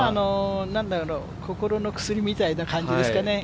心の薬みたいな感じですかね。